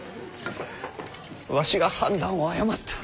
わしが判断を誤った。